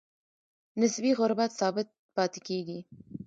نسبي غربت ثابت پاتې کیږي.